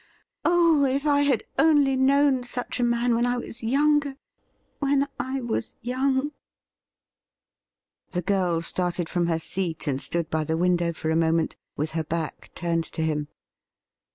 Oh ! if I had only known such a man when I was younger — when I was yoimg !' The girl started from her seat and stood by the window for a moment, with her back turned to him.